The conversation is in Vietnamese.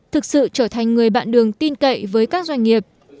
thực sự trở thành người bạn đường tin cậy với các doanh nghiệp